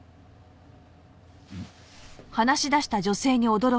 うん？